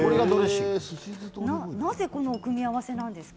なぜこの組み合わせなんですか？